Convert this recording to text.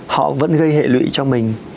họ vẫn gây hệ lụy cho mình